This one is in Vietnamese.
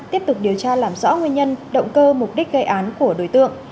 tiếp tục điều tra làm rõ nguyên nhân động cơ mục đích gây án của đối tượng